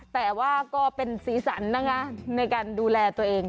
แต่ว่าก็เป็นสีสันนะคะในการดูแลตัวเอง